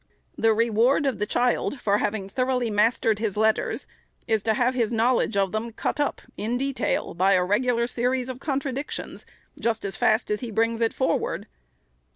The reward of the child, for having thoroughly mastered his letters, is to have his knowledge of them cut up in detail, by a reg ular series of contradictions, just as fast as he brings it forward.